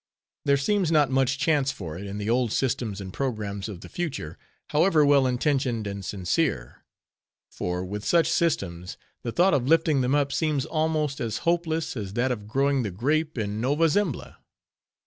There seems not much chance for it, in the old systems and programmes of the future, however well intentioned and sincere; for with such systems, the thought of lifting them up seems almost as hopeless as that of growing the grape in Nova Zembla.